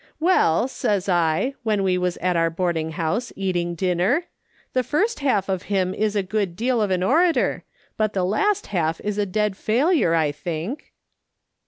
'•' Well,' says I, when we was at our boarding house, eating dinner, ' the first half of him is a good deal of an orator, but the last half is a dead failure, I think.'